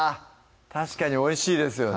確かにおいしいですよね